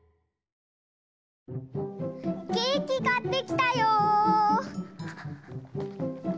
ケーキかってきたよ。